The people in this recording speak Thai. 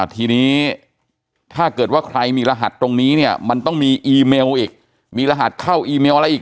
ทีนี้ถ้าเกิดว่าใครมีรหัสตรงนี้เนี่ยมันต้องมีอีเมลอีกมีรหัสเข้าอีเมลอะไรอีก